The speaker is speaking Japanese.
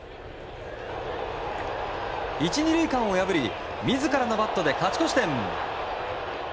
１、２塁間を破り自らのバットで勝ち越し点。